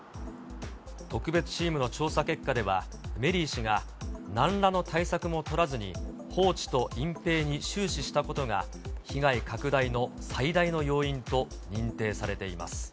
特別チームの調査結果では、メリー氏がなんらの対策も取らずに放置と隠蔽に終始したことが、被害拡大の最大の要因と認定されています。